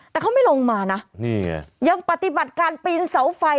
แต่เขาไม่ลงมานะนี่ไงยังปฏิบัติการปีนเสาไฟ